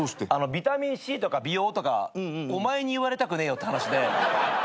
ビタミンＣとか美容とかお前に言われたくねえよって話で。